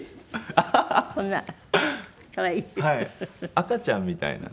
赤ちゃんみたいなね。